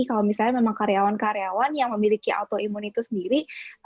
kalau misalnya memang karyawan karyawan yang memiliki autoimun itu sendiri